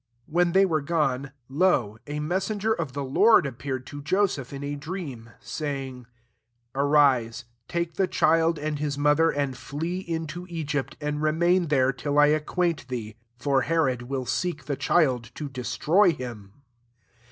13 When they were gone, to, a messenger of the Lord appeared to Joseph in a dream, saying, Arise, take the child and Ah mother, and flee ^ into Egyfit^ and remain there till I acquaint thee: for Herod will seek the child to destroy him.